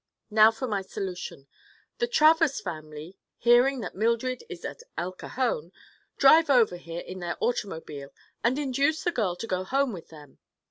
Now for my solution. The Travers family, hearing that Mildred is at El Cajon, drive over here in their automobile and induce the girl to go home with them.